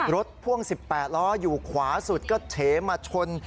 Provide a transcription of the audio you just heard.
พ่วง๑๘ล้ออยู่ขวาสุดก็เฉมาชน